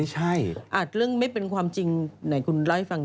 ไหนคุณเล่าให้ฟัง